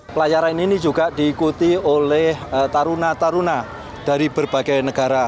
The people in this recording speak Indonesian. pelayaran ini juga diikuti oleh taruna taruna dari berbagai negara